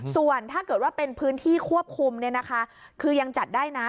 ส่วนถ้าเกิดว่าเป็นพื้นที่ควบคุมเนี่ยนะคะคือยังจัดได้นะ